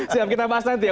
siap kita bahas nanti ya